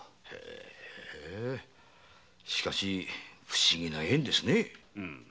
へえしかし不思議な縁ですね。